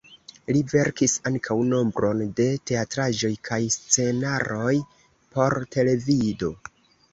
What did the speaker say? Li verkis ankaŭ nombron de teatraĵoj kaj scenaroj por televido.